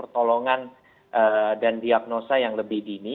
pertolongan dan diagnosa yang lebih dini